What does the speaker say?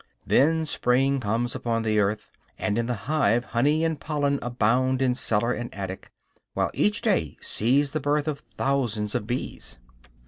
Then Spring comes upon the earth, and in the hive honey and pollen abound in cellar and attic, while each day sees the birth of thousands of bees.